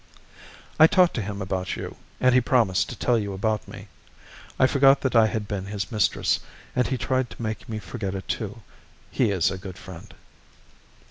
I talked to him about you, and he promised to tell you about me. I forgot that I had been his mistress, and he tried to make me forget it, too. He is a good friend.